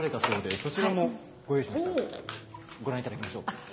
そちらもご覧いただきましょう。